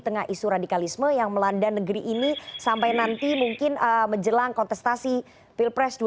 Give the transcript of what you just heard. nah isu radikalisme yang melanda negeri ini sampai nanti mungkin menjelang kontestasi pilpres dua ribu dua puluh empat